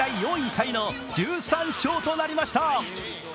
タイの１３勝となりました。